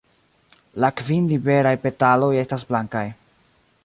La kvin liberaj petaloj estas blankaj.